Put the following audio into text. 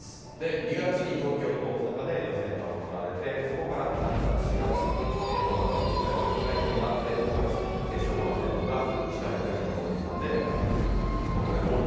２月に東京と大阪で予選が行われてそこから３月、４月とトーナメントの１回戦、２回戦があり５月、決勝トーナメントが司会・東野幸治さんで行われると。